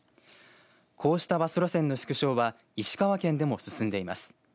こうしたバス路線の縮小は石川県でも進んでいます。